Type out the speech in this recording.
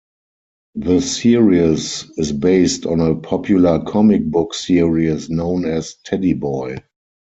The series is based on a popular comic book series known as "Teddy Boy".